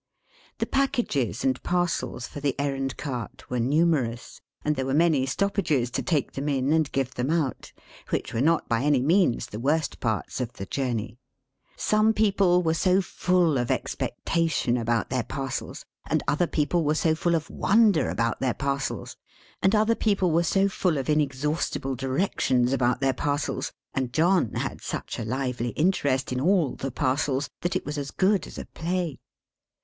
The packages and parcels for the errand cart, were numerous; and there were many stoppages to take them in and give them out; which were not by any means the worst parts of the journey. Some people were so full of expectation about their parcels, and other people were so full of wonder about their parcels, and other people were so full of inexhaustible directions about their parcels, and John had such a lively interest in all the parcels, that it was as good as a play.